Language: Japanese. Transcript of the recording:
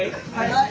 はい。